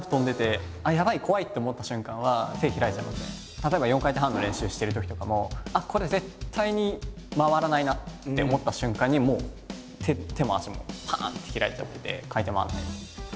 でも僕らも例えば４回転半の練習しているときとかもあっこれ絶対に回らないなって思った瞬間にもう手も足もパン！って開いちゃってて回転回らないです。